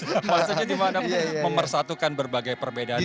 maksudnya dimana memersatukan berbagai perbedaan ini